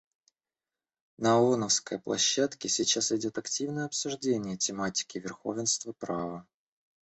На ооновской площадке сейчас идет активное обсуждение тематики верховенства права.